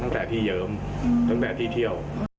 ตั้งแต่ที่เยิ้มตั้งแต่ที่เที่ยว